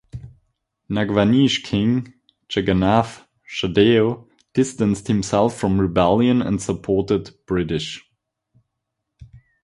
Nagvanshi king Jagannath Shahdeo distanced himself from rebellion and supported British.